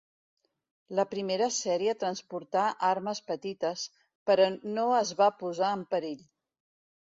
La primera sèrie transportà armes petites, però no es va posar en perill.